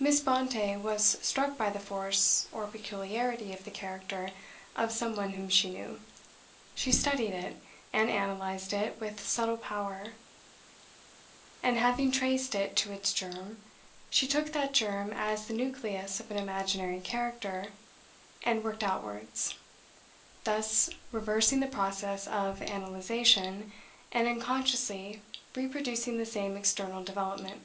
Miss Brontë was struck by the force or peculiarity of the character of some one whom she knew; she studied it, and analysed it with subtle power; and having traced it to its germ, she took that germ as the nucleus of an imaginary character, and worked outwards; thus reversing the process of analysation, and unconsciously reproducing the same external development.